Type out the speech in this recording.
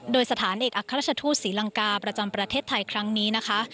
โดยสถานเอกอัครราชทูตศรีลังกาประจำประเทศไทยครั้งนี้นะคะ